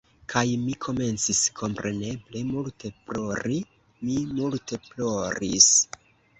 Kaj mi komencis kompreneble multe plori. Mi multe ploris.